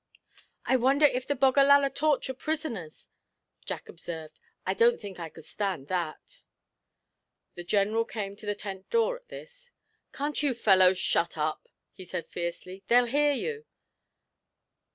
'I wonder if the Bogallala torture prisoners,' Jack observed; 'I don't think I could stand that.' The General came to the tent door at this: 'Can't you fellows shut up?' he said fiercely. 'They'll hear you!'